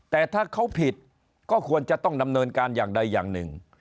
แต่ถ้าเขาผิดก็ควรจะต้องดำเนินการอย่างใดอย่างหนึ่ง